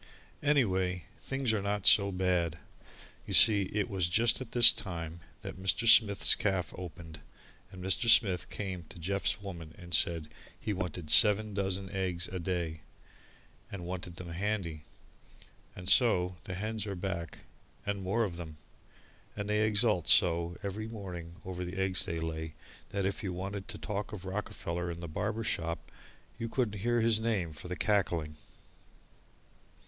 Anyway, things are not so bad. You see it was just at this time that Mr. Smith's caff opened, and Mr. Smith came to Jeff's Woman and said he wanted seven dozen eggs a day, and wanted them handy, and so the hens are back, and more of them, and they exult so every morning over the eggs they lay that if you wanted to talk of Rockefeller in the barber shop you couldn't hear his name for the cackling.